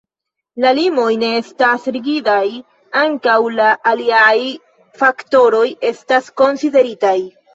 La limoj ne estas rigidaj, ankaŭ la aliaj faktoroj estas konsideritaj.